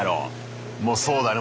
もうそうだね。